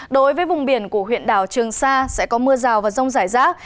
đối với vùng biển của huyện đảo trường sa sẽ có mưa rào và rông rải rác